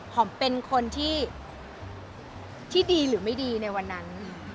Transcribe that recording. เป็นคนที่ดีหรือไม่ดีในวันนั้น